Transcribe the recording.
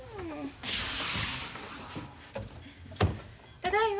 ただいま。